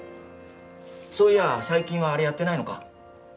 そういや最近はあれやってないのか？